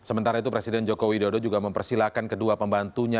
sementara itu presiden joko widodo juga mempersilahkan kedua pembantunya